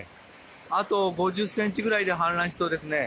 あと５０ｃｍぐらいで氾濫しそうですね。